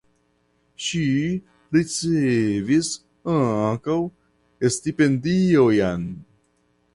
Ŝi ricevis ankaŭ stipendiojn.